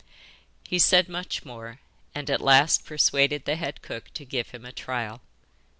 He said much more, and at last persuaded the head cook to give him a trial.